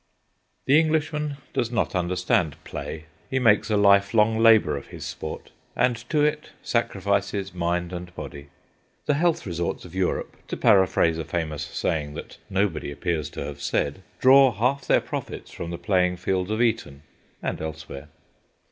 The Englishman does not understand play. He makes a life long labour of his sport, and to it sacrifices mind and body. The health resorts of Europe—to paraphrase a famous saying that nobody appears to have said—draw half their profits from the playing fields of Eton and elsewhere.